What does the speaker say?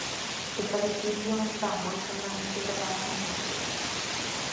Esta distinción está moi fondamente gravada na natureza.